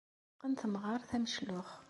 Teqqen temɣart ameclux.